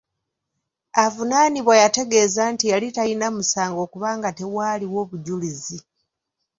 Avunaanibwa yategeeza nti yali talina musango kubanga tewaaliwo bujulizi.